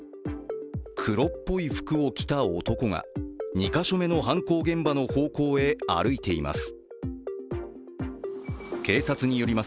黒っぽい服を着た男が２か所目の犯行現場の方向へ歩いています。